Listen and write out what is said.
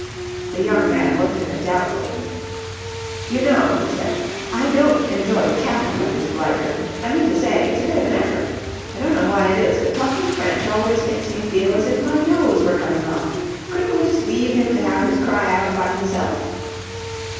The young man looked at her doubtfully. "You know," he said, "I don't enjoy chatting with this blighter. I mean to say, it's a bit of an effort. I don't know why it is, but talking French always makes me feel as if my nose were coming off. Couldn't we just leave him to have his cry out by himself?"